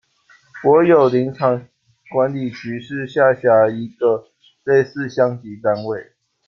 国有林场管理局是下辖的一个类似乡级单位。